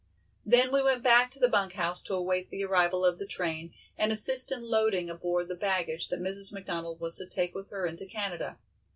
Then we went back to the bunk house to await the arrival of the train and assist in loading aboard the bagggage that Mrs. McDonald was to take with her into Canada.